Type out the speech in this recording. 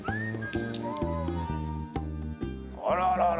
あらららら。